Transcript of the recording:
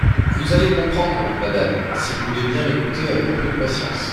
Vous allez comprendre, madame, si vous voulez bien m'écouter avec un peu de patience.